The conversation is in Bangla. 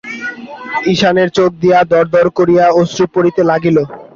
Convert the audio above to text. ঈশানের চোখ দিয়া দরদর করিয়া অশ্রু পড়িতে লাগিল।